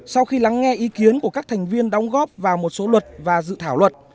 sau khi lắng nghe ý kiến của các thành viên đóng góp vào một số luật và dự thảo luật